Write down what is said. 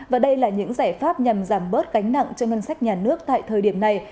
và đây là những giải pháp nhằm giảm bớt gánh nặng cho ngân sách nhà nước tại thời điểm này